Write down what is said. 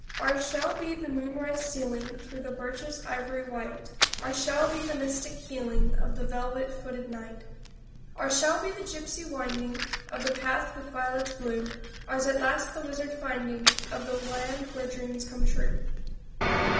Ours shall be the moonrise stealing Through the birches ivory white; Ours shall be the mystic healing Of the velvet footed night. Ours shall be the gypsy winding Of the path with violets blue, Ours at last the wizard finding Of the land where dreams come true.